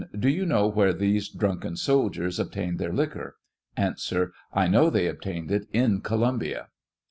Do you know where these drunken soldiers ob tained their liquor ? A. I know they obtained it in Columbia.